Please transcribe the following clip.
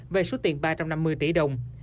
về số tiền ba trăm năm mươi tỷ đồng